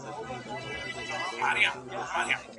آيا خاوند د ميرمني په مړينه کي ميراث وړي؟